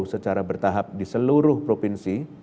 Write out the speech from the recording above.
secara bertahap di seluruh provinsi